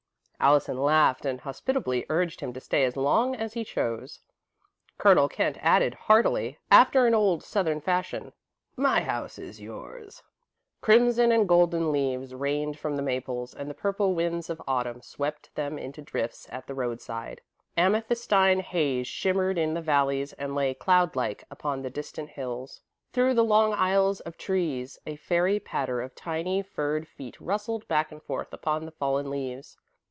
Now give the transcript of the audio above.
Allison laughed and hospitably urged him to stay as long as he chose. Colonel Kent added, heartily, after an old Southern fashion: "My house is yours." Crimson and golden leaves rained from the maples, and the purple winds of Autumn swept them into drifts at the roadside. Amethystine haze shimmered in the valleys and lay, cloud like, upon the distant hills. Through the long aisles of trees a fairy patter of tiny furred feet rustled back and forth upon the fallen leaves.